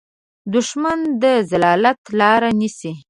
دښمن د ذلت لاره نیسي